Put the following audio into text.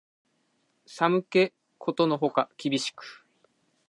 寒気ことのほか厳しく